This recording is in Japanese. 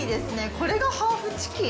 これがハーフチキン！？